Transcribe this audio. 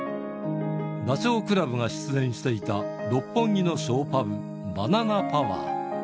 ダチョウ倶楽部が出演していた六本木のショーパブ、バナナパワー。